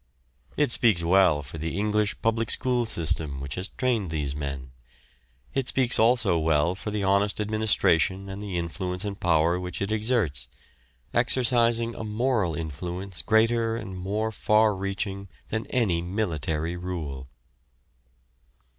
It speaks well for the English public school system which has trained these men. It speaks also well for honest administration and the influence and power which it exerts, exercising a moral influence greater and more far reaching than any military rule.